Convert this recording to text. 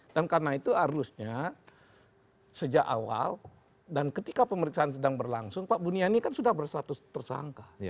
dan karena itu arusnya sejak awal dan ketika pemeriksaan sedang berlangsung pak bu niani kan sudah bersatu tersangka